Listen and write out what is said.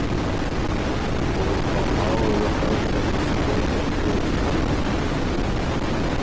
او ا ماوه وه خه ته دِس نیوئ په ریوز